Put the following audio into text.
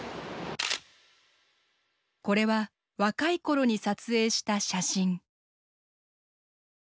これは若いころに撮影した写真。